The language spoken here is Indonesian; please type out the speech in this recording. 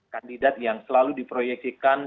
kandidat yang selalu diperhatikan